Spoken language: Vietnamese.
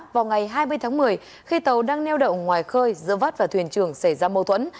vào ngày hai mươi tháng một mươi khi tàu đang neo đậu ngoài khơi giữa vắt và thuyền trưởng xảy ra mâu thuẫn